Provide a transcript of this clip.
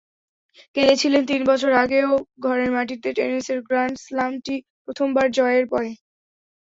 কেঁদেছিলেন তিন বছর আগেও, ঘরের মাটিতে টেনিসের গ্র্যান্ড স্লামটি প্রথমবার জয়ের পর।